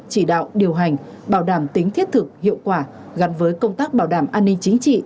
chỉ đạo điều hành bảo đảm tính thiết thực hiệu quả gắn với công tác bảo đảm an ninh chính trị